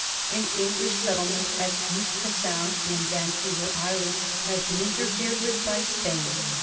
An English settlement at Nootka Sound, in Vancouver Island, had been interfered with by Spain.